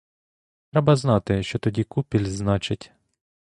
Треба знати, що тоді купіль значить!